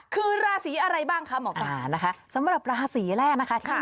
คือราศีอะไรบ้างคะหมอป่านะคะสำหรับราศีแรกนะคะที่